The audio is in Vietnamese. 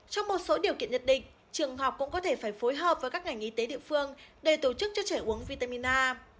trong một số điều kiện nhất định trường học cũng có thể phải phối hợp với các ngành y tế địa phương để tổ chức cho trẻ uống vitamin a